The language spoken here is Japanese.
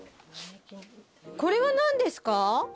これは何ですか？